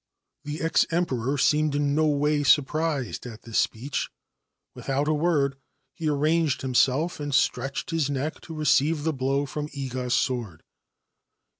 The ex Emperor seemed in no way surprised at tl speech. Without a word, he arranged himself a] stretched his neck to receive the blow from Iga's sword.